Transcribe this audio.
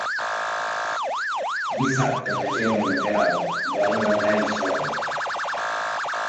Dissabte na Gemma i na Queralt volen anar a Isòvol.